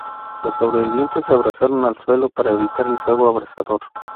Los sobrevivientes se abrazaron al suelo para evitar el fuego abrasador.